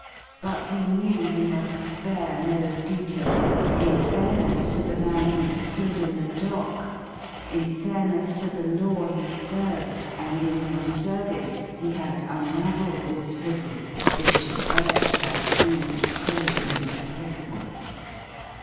But he knew he must spare no detail; in fairness to the man who stood in the dock, in fairness to the Law he served, and in whose service he had unravelled this riddle which at first had seemed so inexplicable.